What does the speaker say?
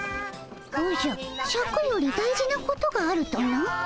おじゃシャクより大事なことがあるとな？